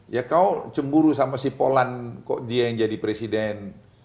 ya kau cemburu sama si polan kok dia yang jadi presiden